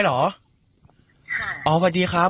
ลาออกก็ว่าอย่างไรครับ